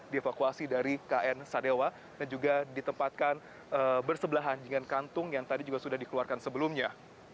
dievakuasi dari kn sadewa dan juga ditempatkan bersebelahan dengan kantung yang tadi juga sudah dikeluarkan sebelumnya